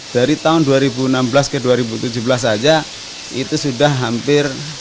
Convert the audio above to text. dari tahun dua ribu enam belas ke dua ribu tujuh belas saja itu sudah hampir